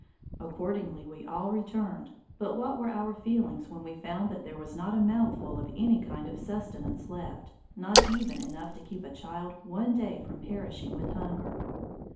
Accordingly we all returned; but what were our feelings when we found that there was not a mouthful of any kind of sustenance left, not even enough to keep a child one day from perishing with hunger.